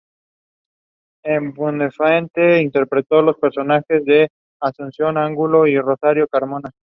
En "Buenafuente" interpretó los personajes de Asunción Angulo y Rosario Carmona.